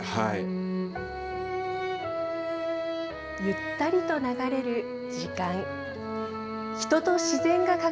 ゆったりと流れる時間。